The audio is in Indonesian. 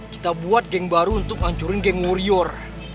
kita buat geng baru untuk ngancurin geng warior